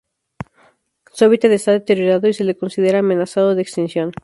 Su hábitat está deteriorado y se le considera amenazado de extinción.